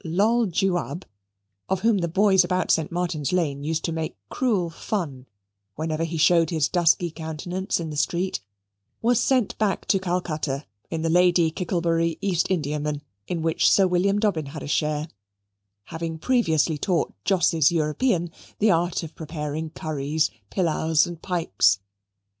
Loll Jewab, of whom the boys about St. Martin's Lane used to make cruel fun whenever he showed his dusky countenance in the street, was sent back to Calcutta in the Lady Kicklebury East Indiaman, in which Sir William Dobbin had a share, having previously taught Jos's European the art of preparing curries, pilaus, and pipes.